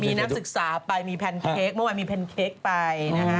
มีน้ำศึกษาไปมีแพนเค้กเมื่อไหร่มีแพนเค้กไป